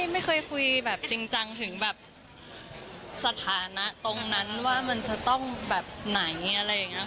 ไม่เคยคุยแบบจริงจังถึงแบบสถานะตรงนั้นว่ามันจะต้องแบบไหนอะไรอย่างนี้